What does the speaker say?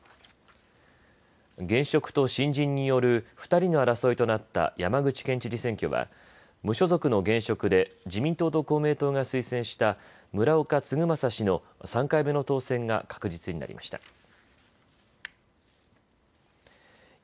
現職と新人による２人の争いとなった山口県知事選挙は無所属の現職で自民党と公明党が推薦した村岡嗣政氏の３回目の当選が確実になりました。